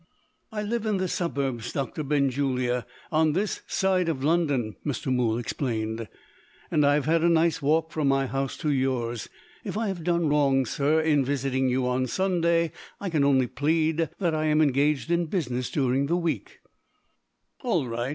"I live in the suburbs, Doctor Benjulia, on this side of London," Mr. Mool explained; "and I have had a nice walk from my house to yours. If I have done wrong, sir, in visiting you on Sunday, I can only plead that I am engaged in business during the week " "All right.